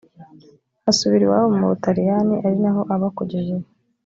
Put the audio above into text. asubira iwabo mu ubutariyani ari na ho aba kugeza ubu